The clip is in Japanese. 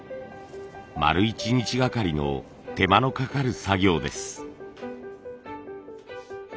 丸１日がかりの手間のかかる作業です。